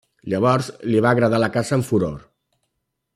Llavors, li va agradar la caça amb furor.